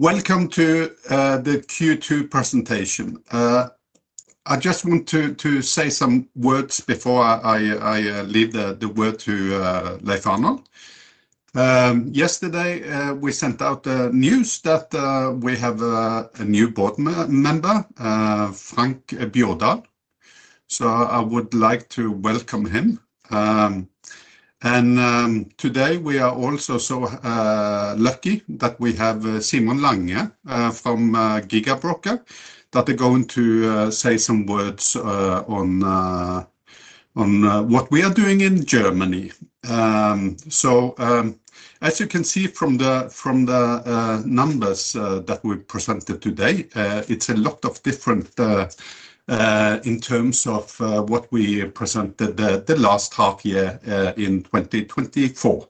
Welcome to the Q2 presentation. I just want to say some words before I leave the word to Leif Arnold. Yesterday, we sent out the news that we have a new board member, Frank Bjordal. I would like to welcome him. Today, we are also so lucky that we have Simon Lange from GIGA Broker, who is going to say some words on what we are doing in Germany. As you can see from the numbers that we presented today, it's a lot of different in terms of what we presented the last half year in 2024.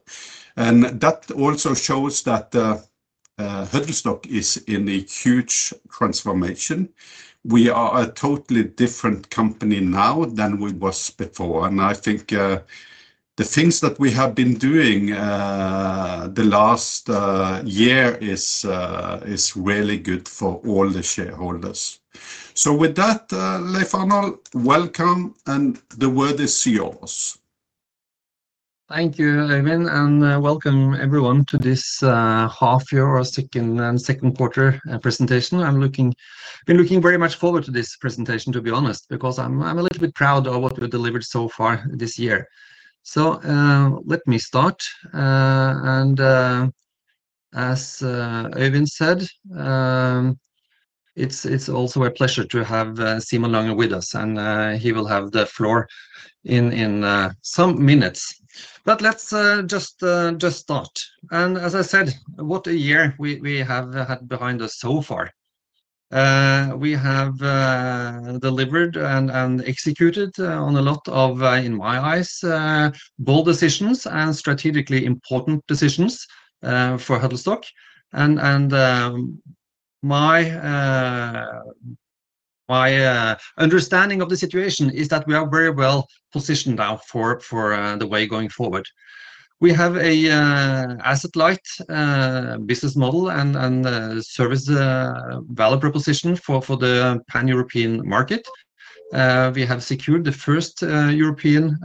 That also shows that Huddlestock is in a huge transformation. We are a totally different company now than we were before. I think the things that we have been doing the last year are really good for all the shareholders. With that, Leif Arnold, welcome, and the word is yours. Thank you, Øyvind, and welcome everyone to this half-year or second quarter presentation. I've been looking very much forward to this presentation, to be honest, because I'm a little bit proud of what we've delivered so far this year. Let me start. As Øyvind said, it's also a pleasure to have Simon Lange with us, and he will have the floor in some minutes. Let's just start. As I said, what a year we have had behind us so far. We have delivered and executed on a lot of, in my eyes, bold decisions and strategically important decisions for Huddlestock. My understanding of the situation is that we are very well positioned now for the way going forward. We have an asset-light business model and a service value proposition for the pan-European market. We have secured the first European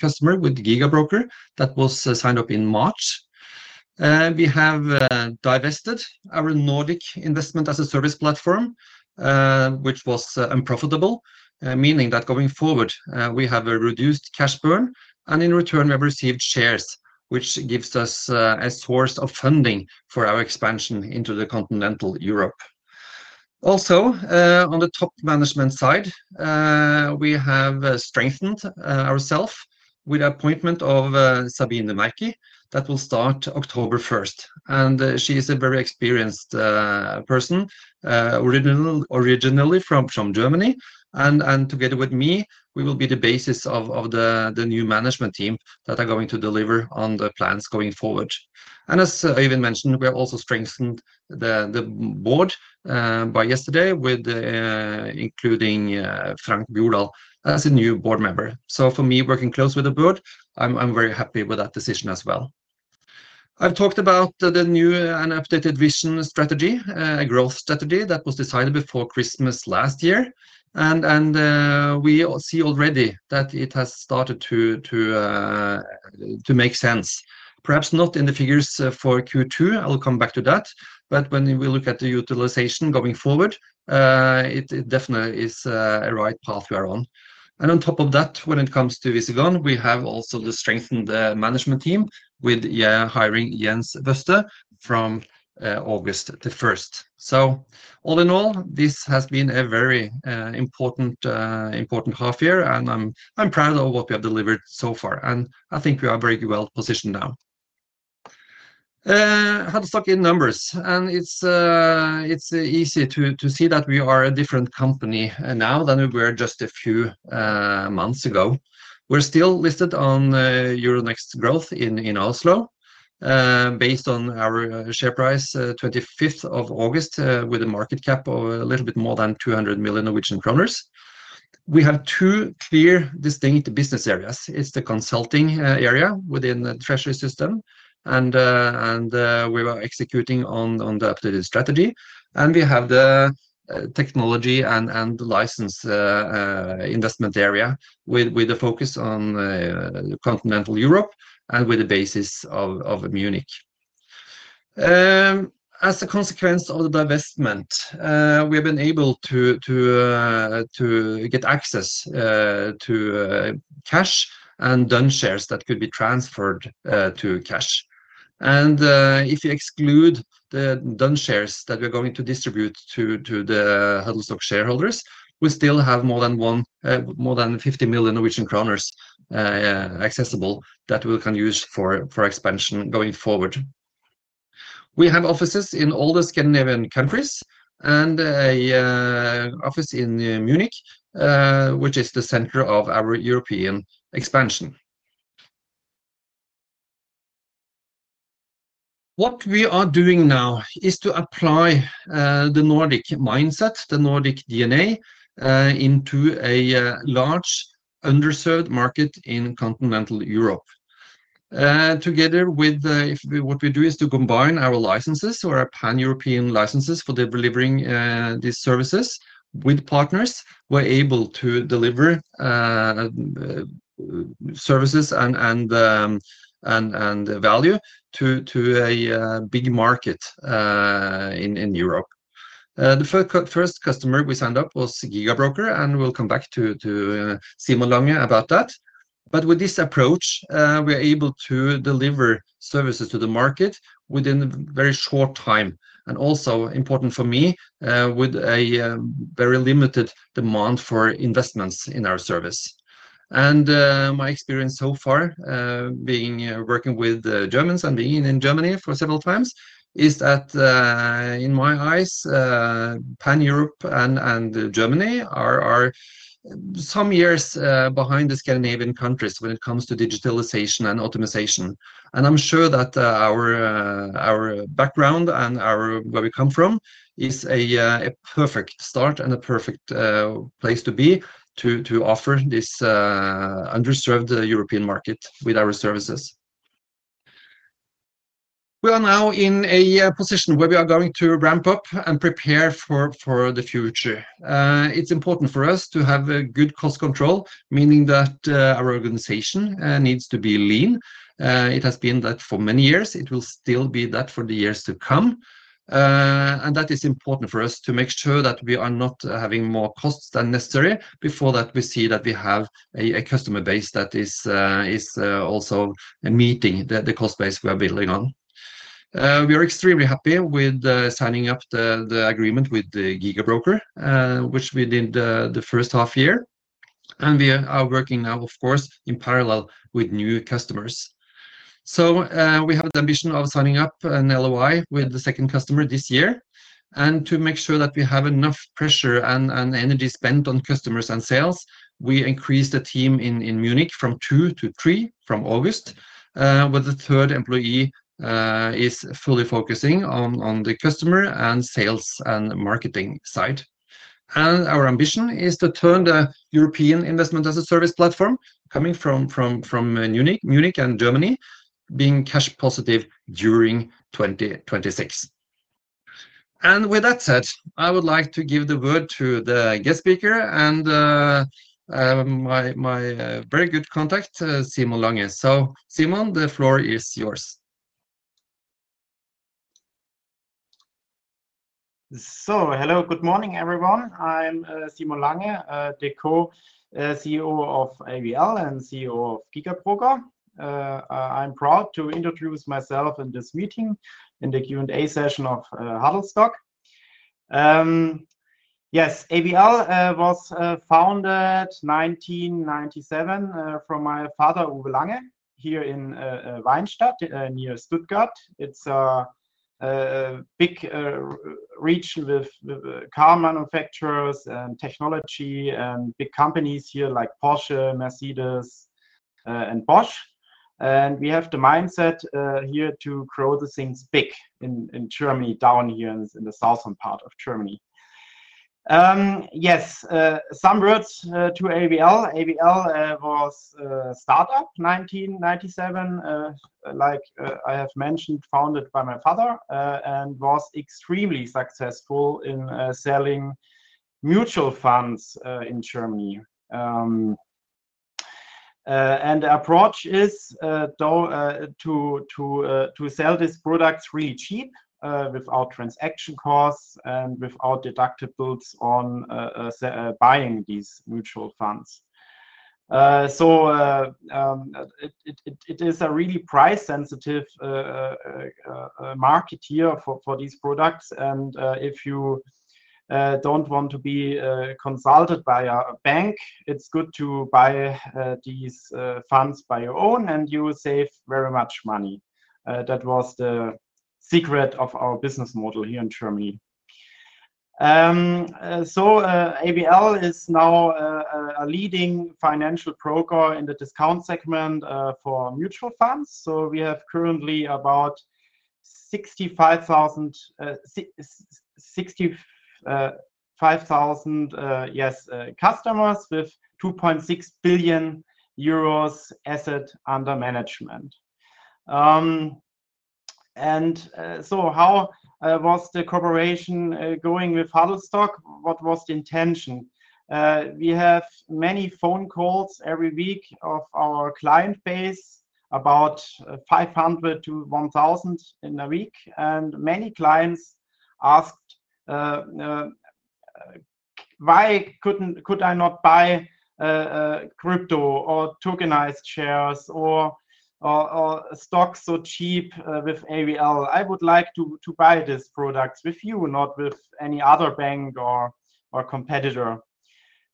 customer with GIGA Broker that was signed up in March. We have divested our Nordic Investment-as-a-Service platform, which was unprofitable, meaning that going forward, we have a reduced cash burn, and in return, we have received shares, which gives us a source of funding for our expansion into continental Europe. Also, on the top management side, we have strengthened ourselves with the appointment of Sabine Merky that will start October 1. She is a very experienced person, originally from Germany. Together with me, we will be the basis of the new management team that are going to deliver on the plans going forward. As Øyvind mentioned, we have also strengthened the Board by yesterday, including Frank Bjordal as a new Board member. For me, working close with the board, I'm very happy with that decision as well. I've talked about the new and updated vision strategy, a growth strategy that was decided before Christmas last year. We see already that it has started to make sense. Perhaps not in the figures for Q2. I'll come back to that. When we look at the utilization going forward, it definitely is a right path we are on. On top of that, when it comes to Visigon, we have also strengthened the management team with hiring Jens Wester from August 1. All in all, this has been a very important half year, and I'm proud of what we have delivered so far. I think we are very well positioned now. Huddlestock in numbers. It's easy to see that we are a different company now than we were just a few months ago. We're still listed on Euronext Growth in Oslo, based on our share price, 25th of August, with a market cap of a little bit more than 200 million Norwegian kroner. We have two clear, distinct business areas. It's the consulting area within the treasury system. We were executing on the updated strategy. We have the technology and the license investment area with a focus on continental Europe and with the basis of Munich. As a consequence of the divestment, we have been able to get access to cash and Done shares that could be transferred to cash. If you exclude the Done shares that we're going to distribute to the Huddlestock shareholders, we still have more than 50 million Norwegian kroner accessible that we can use for expansion going forward. We have offices in all the Scandinavian countries and an office in Munich, which is the center of our European expansion. What we are doing now is to apply the Nordic mindset, the Nordic DNA into a large underserved market in continental Europe. Together with what we do is to combine our licenses or our pan-European licenses for delivering these services with partners, we're able to deliver services and value to a big market in Europe. The first customer we signed up was GIGA Broker, and we'll come back to Simon Lange about that. With this approach, we're able to deliver services to the market within a very short time. Also important for me, with a very limited demand for investments in our service. My experience so far, working with Germans and being in Germany for several times, is that in my eyes, pan-Europe and Germany are some years behind the Scandinavian countries when it comes to digitalization and optimization. I'm sure that our background and where we come from is a perfect start and a perfect place to be to offer this underserved European market with our services. We are now in a position where we are going to ramp up and prepare for the future. It's important for us to have good cost control, meaning that our organization needs to be lean. It has been that for many years. It will still be that for the years to come. That is important for us to make sure that we are not having more costs than necessary before we see that we have a customer base that is also meeting the cost base we are building on. We are extremely happy with signing up the agreement with GIGA Broker, which we did the first half year. We are working now, of course, in parallel with new customers. We have the ambition of signing up an LOI with the second customer this year. To make sure that we have enough pressure and energy spent on customers and sales, we increased the team in Munich from two to three from August, where the third employee is fully focusing on the custome`r and sales and marketing side. Our ambition is to turn the European Investment-as-a-Service platform coming from Munich and Germany, being cash positive during 2026. With that said, I would like to give the word to the guest speaker and my very good contact, Simon Lange. Simon, the floor is yours. Hello, good morning, everyone. I'm Simon Lange, the Co-CEO of AVL and CEO of GIGA Broker. I'm proud to introduce myself in this meeting in the Q&A session of Huddlestock. AVL was founded in 1997 by my father, Uwe Lange, here in Weinstadt near Stuttgart. It's a big region with car manufacturers and technology and big companies here like Porsche, Mercedes, and Bosch. We have the mindset here to grow things big in Germany, down here in the southern part of Germany. Some words to AVL. AVL was a startup in 1997, like I have mentioned, founded by my father, and was extremely successful in selling mutual funds in Germany. The approach is to sell this product really cheap, without transaction costs and without deductibles on buying these mutual funds. It is a really price-sensitive market here for these products. If you don't want to be consulted by a bank, it's good to buy these funds by your own, and you save very much money. That was the secret of our business model here in Germany. AVL is now a leading financial broker in the discount segment for mutual funds. We have currently about 65,000 customers with 2.6 billion euros assets under management. How was the cooperation going with Huddlestock? What was the intention? We have many phone calls every week of our client base, about 500-1,000 in a week. Many clients ask, "Why could I not buy crypto or tokenized shares or stocks so cheap with AVL? I would like to buy these products with you, not with any other bank or competitor."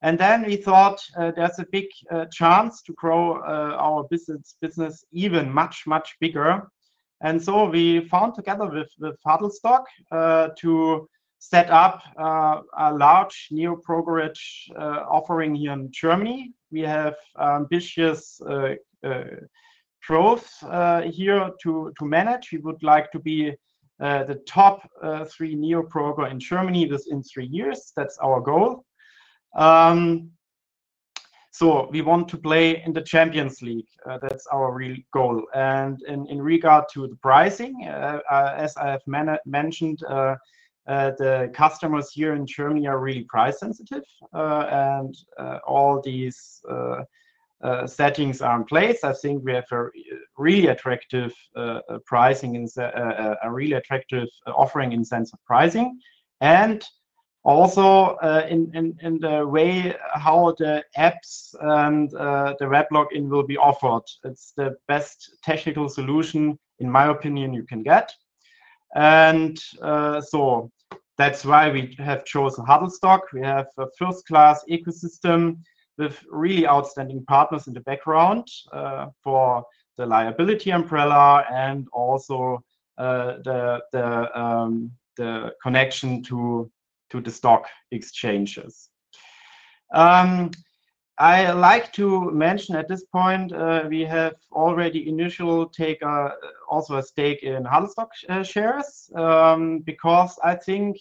We thought there's a big chance to grow our business even much, much bigger. We found together with Huddlestock to set up a large new brokerage offering here in Germany. We have ambitious growth here to manage. We would like to be the top three new brokers in Germany within three years. That's our goal. We want to play in the Champions League. That's our real goal. In regard to the pricing, as I have mentioned, the customers here in Germany are really price-sensitive. All these settings are in place. I think we have a really attractive pricing and a really attractive offering in terms of pricing, and also in the way how the apps and the web login will be offered. It's the best technical solution, in my opinion, you can get. That's why we have chosen Huddlestock. We have a first-class ecosystem with really outstanding partners in the background for the liability umbrella and also the connection to the stock exchanges. I like to mention at this point, we have already initially taken also a stake in Huddlestock shares because I think,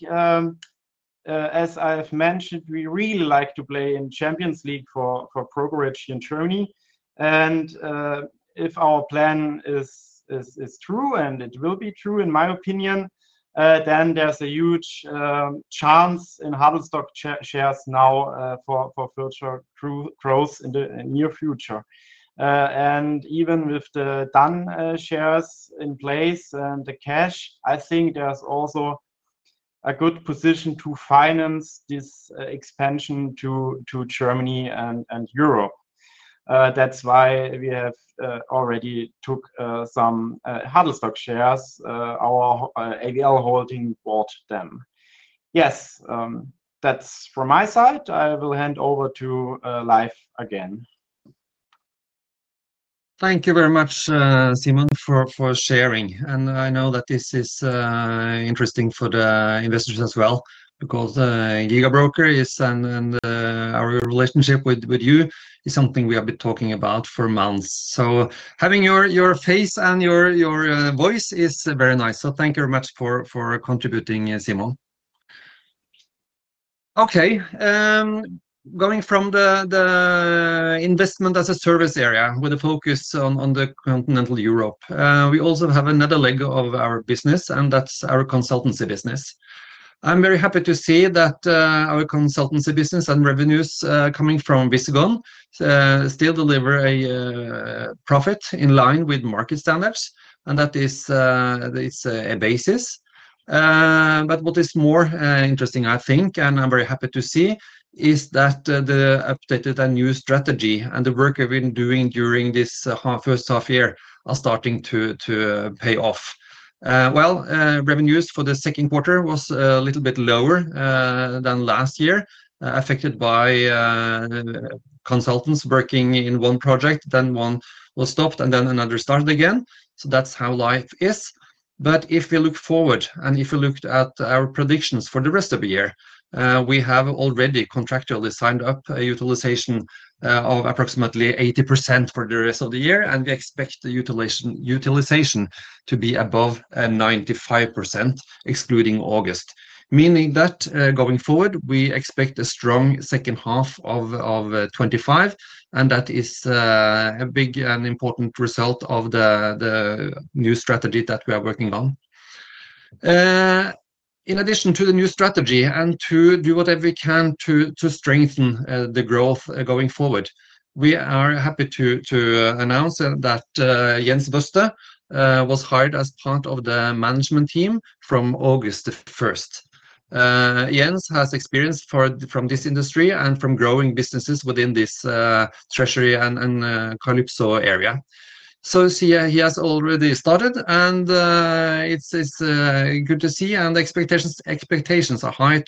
as I've mentioned, we really like to play in the Champions League for brokerage in Germany. If our plan is true, and it will be true, in my opinion, then there's a huge chance in Huddlestock shares now for future growth in the near future. Even with the Done shares in place and the cash, I think there's also a good position to finance this expansion to Germany and Europe. That's why we have already took some Huddlestock shares. Our AVL Holding bought them. Yes, that's from my side. I will hand over to Leif again. Thank you very much, Simon, for sharing. I know that this is interesting for the investors as well because GIGA Broker and our relationship with you is something we have been talking about for months. Having your face and your voice is very nice. Thank you very much for contributing, Simon. Going from the Investment-as-a-Service area with a focus on continental Europe, we also have another leg of our business, and that's our consultancy business. I'm very happy to see that our consultancy business and revenues coming from Visigon still deliver a profit in line with market standards. That is a basis. What is more interesting, I think, and I'm very happy to see, is that the updated and new strategy and the work we've been doing during this first half year are starting to pay off. Revenues for the second quarter were a little bit lower than last year, affected by consultants working in one project. One was stopped, and then another started again. That's how life is. If we look forward and if we look at our predictions for the rest of the year, we have already contractually signed up a utilization of approximately 80% for the rest of the year. We expect the utilization to be above 95%, excluding August. Meaning that going forward, we expect a strong second half of 2025. That is a big and important result of the new strategy that we are working on. In addition to the new strategy and to do whatever we can to strengthen the growth going forward, we are happy to announce that Jens Wester was hired as part of the management team from August 1. Jens has experience from this industry and from growing businesses within this treasury and Calypso area. He has already started, and it's good to see. The expectations are high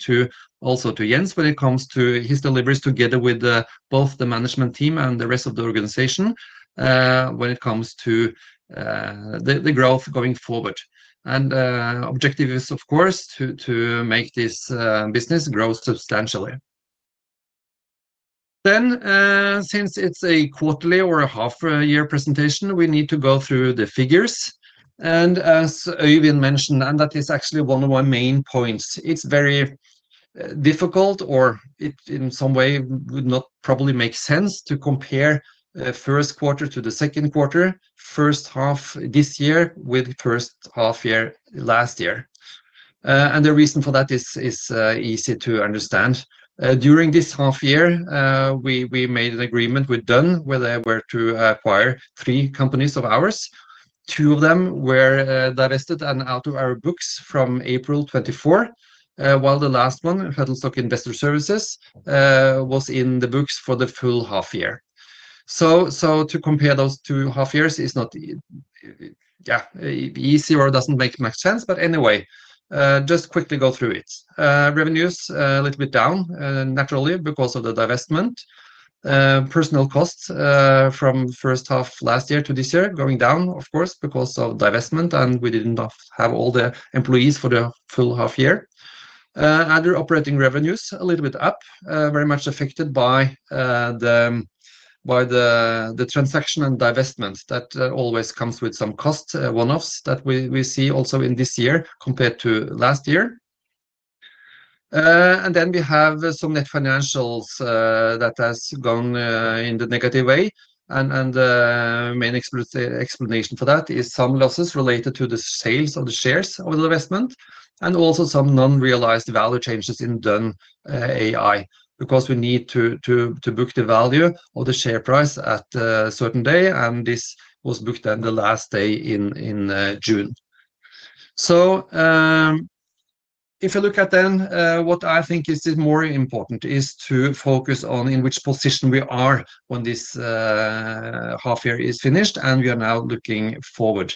also for Jens when it comes to his deliveries together with both the management team and the rest of the organization when it comes to the growth going forward. The objective is, of course, to make this business grow substantially. Since it's a quarterly or a half-year presentation, we need to go through the figures. As Øyvind mentioned, and that is actually one of our main points, it's very difficult or in some way would not probably make sense to compare the first quarter to the second quarter, first half this year with the first half year last year. The reason for that is easy to understand. During this half year, we made an agreement with Done where they were to acquire three companies of ours. Two of them were divested and out of our books from April 2024, while the last one, Huddlestock Investor Services, was in the books for the full half year. To compare those two half years, it's not easy or doesn't make much sense. Anyway, just quickly go through it. Revenues are a little bit down, naturally, because of the divestment. Personnel costs from the first half last year to this year are going down, of course, because of divestment, and we didn't have all the employees for the full half year. Other operating revenues are a little bit up, very much affected by the transaction and divestment that always comes with some costs, one-offs that we see also in this year compared to last year. We have some net financials that have gone in the negative way. The main explanation for that is some losses related to the sales of the shares of the divestment and also some non-realized value changes in Done.ai because we need to book the value of the share price at a certain day, and this was booked on the last day in June. If I look at then, what I think is more important is to focus on in which position we are when this half year is finished and we are now looking forward.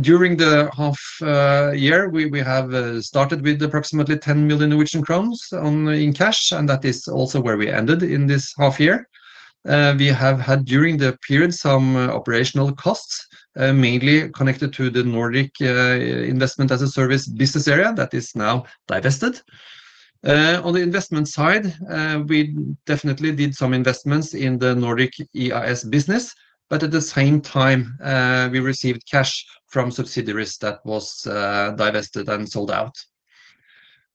During the half year, we have started with approximately 10 million Norwegian crowns in cash, and that is also where we ended in this half year. We have had during the period some operational costs, mainly connected to the Nordic Investment-as-a-Service business area that is now divested. On the investment side, we definitely did some investments in the Nordic EIS business, but at the same time, we received cash from subsidiaries that were divested and sold out.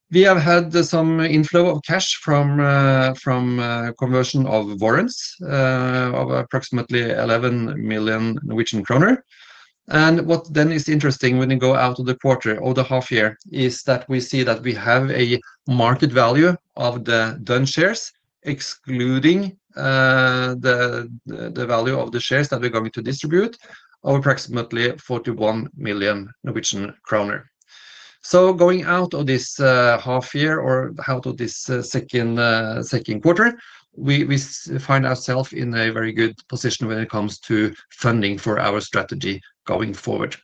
We have had some inflow of cash from conversion of warrants of approximately 11 million Norwegian kroner. What then is interesting when you go out of the quarter or the half year is that we see that we have a market value of the Done shares, excluding the value of the shares that we're going to distribute, of approximately 41 million Norwegian kroner. Going out of this half year or out of this second quarter, we find ourselves in a very good position when it comes to funding for our strategy going forward.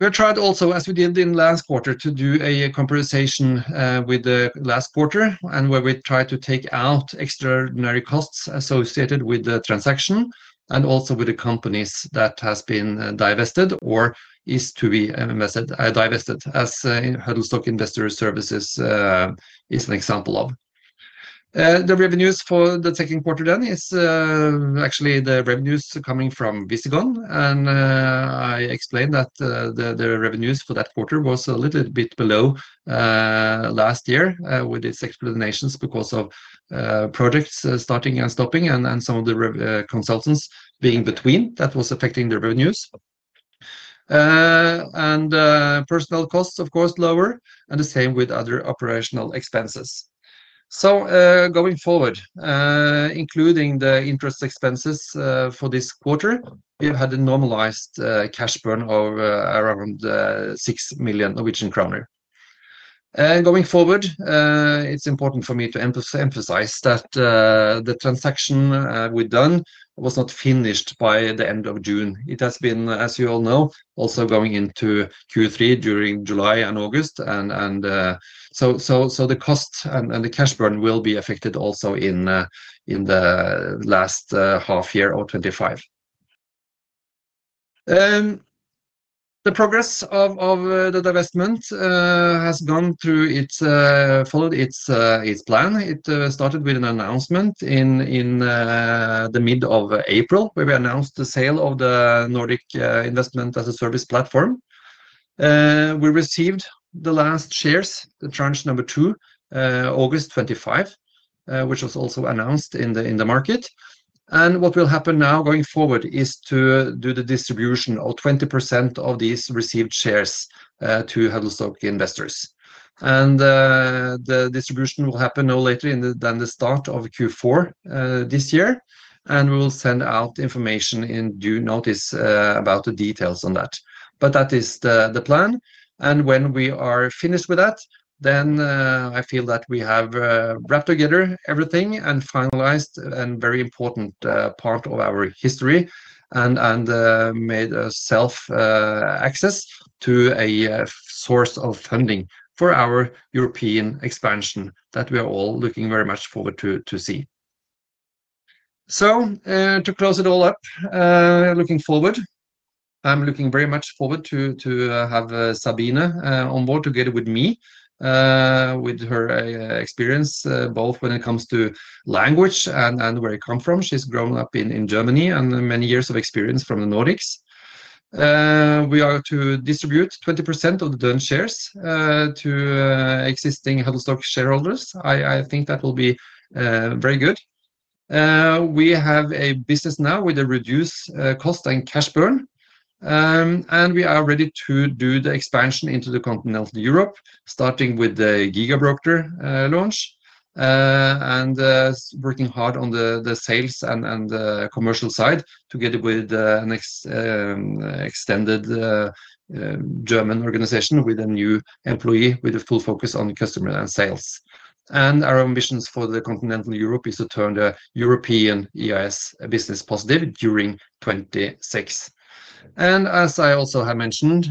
We have tried also, as we did in the last quarter, to do a compensation with the last quarter and where we tried to take out extraordinary costs associated with the transaction and also with the companies that have been divested or are used to be invested, divested, as Huddlestock Investor Services is an example of. The revenues for the second quarter then are actually the revenues coming from Visigon. I explained that the revenues for that quarter were a little bit below last year with its explanations because of projects starting and stopping and some of the consultants being between that was affecting the revenues. Personal costs, of course, lower, and the same with other operational expenses. Going forward, including the interest expenses for this quarter, we have had a normalized cash burn of around 6 million Norwegian kroner. Going forward, it's important for me to emphasize that the transaction with Done was not finished by the end of June. It has been, as you all know, also going into Q3 during July and August. The cost and the cash burn will be affected also in the last half year of 2025. The progress of the divestment has gone through its followed its plan. It started with an announcement in the mid of April where we announced the sale of the Nordic Investment-as-a-Service platform. We received the last shares, the tranche number two, August 25, which was also announced in the market. What will happen now going forward is to do the distribution of 20% of these received shares to Huddlestock investors. The distribution will happen no later than the start of Q4 this year. We will send out information in due notice about the details on that. That is the plan. When we are finished with that, I feel that we have wrapped together everything and finalized a very important part of our history and made self-access to a source of funding for our European expansion that we are all looking very much forward to see. To close it all up, looking forward, I'm looking very much forward to have Sabine on board together with me, with her experience both when it comes to language and where I come from. She's grown up in Germany and many years of experience from the Nordics. We are to distribute 20% of the Done shares to existing Huddlestock shareholders. I think that will be very good. We have a business now with a reduced cost and cash burn. We are ready to do the expansion into continental Europe, starting with the GIGA Broker launch and working hard on the sales and the commercial side together with an extended German organization with a new employee with a full focus on customer and sales. Our ambitions for continental Europe is to turn the European EIS business positive during 2026. As I also have mentioned,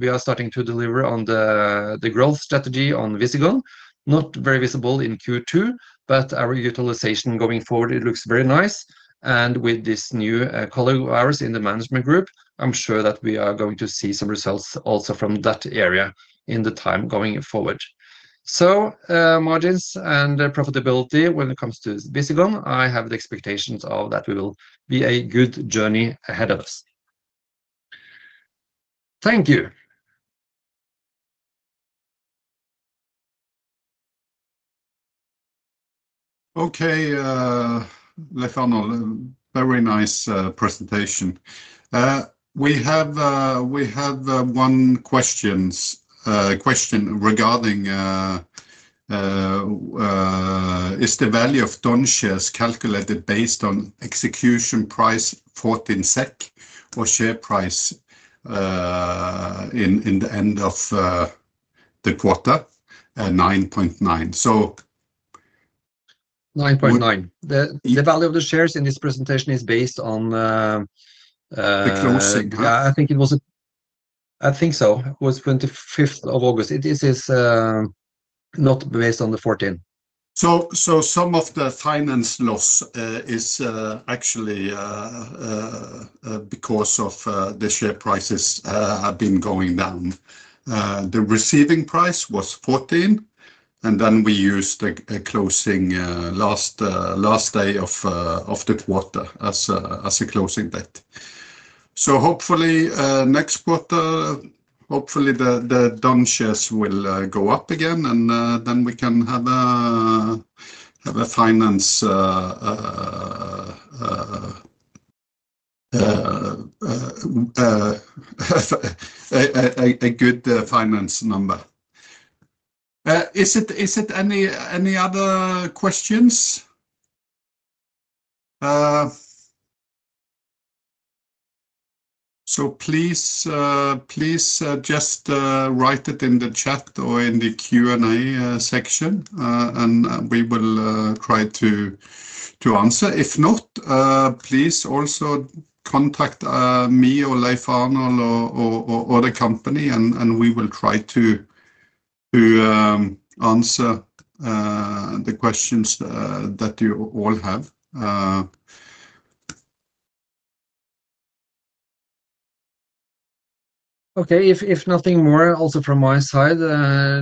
we are starting to deliver on the growth strategy on Visigon, not very visible in Q2, but our utilization going forward, it looks very nice. With this new colleague of ours in the management group, I'm sure that we are going to see some results also from that area in the time going forward. Margins and profitability when it comes to Visigon, I have the expectations of that it will be a good journey ahead of us. Thank you. Okay, Leif Arnold, very nice presentation. We have one question regarding is the value of Done shares calculated based on execution price NOK 0.14 or share price in the end of the quarter at 0.099? 0.099. The value of the shares in this presentation is based on. The closing date. I think it was the 25th of August. It is not based on the 0.14. Some of the finance loss is actually because the share prices have been going down. The receiving price was 0.14, and then we used the closing last day of the quarter as a closing date. Hopefully, next quarter, the Done shares will go up again, and then we can have a good finance number. If there are any other questions, please just write it in the chat or in the Q&A section, and we will try to answer. If not, please also contact me or Leif Arnold or the company, and we will try to answer the questions that you all have. Okay. If nothing more, also from my side,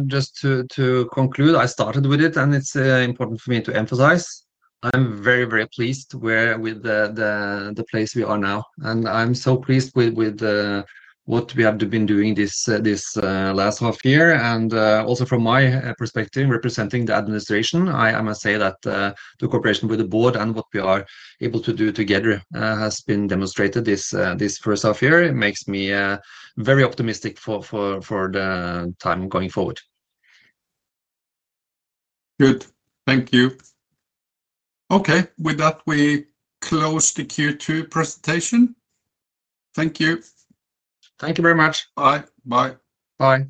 just to conclude, I started with it, and it's important for me to emphasize. I'm very, very pleased with the place we are now. I'm so pleased with what we have been doing this last half year. Also from my perspective, representing the administration, I must say that the cooperation with the Board and what we are able to do together has been demonstrated this first half year. It makes me very optimistic for the time going forward. Good. Thank you. Okay, with that, we close the Q2 presentation. Thank you. Thank you very much. Bye. Bye. Bye.